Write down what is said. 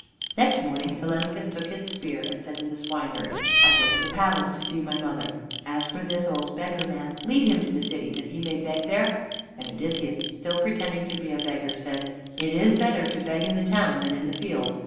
Next morning Telemachus took his spear and said to the swineherd: "I go to the palace to see my mother. As for this old beggar man, lead him to the city, that he may beg there." And Odysseus, still pretending to be a beggar, said: "It is better to beg in the town than in the fields.